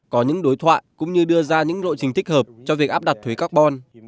có những đối thoại cũng như đưa ra những lộ trình thích hợp cho việc áp đặt thuế carbon